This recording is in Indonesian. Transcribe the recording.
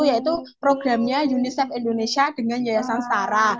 yaitu programnya unicef indonesia dengan yayasan setara